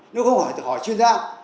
nếu không hỏi chuyên gia